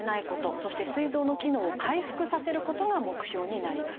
そしてすい臓の機能を回復させることが目標になります。